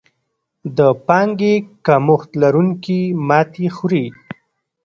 د پانګې کمښت لرونکي ماتې خوري.